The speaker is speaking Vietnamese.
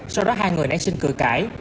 sau đó hai người nãy xin cười cãi